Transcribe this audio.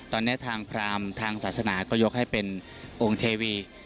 ตอนนี้ทางพรามทางศาสนาก็ยกให้เป็นองค์เทวี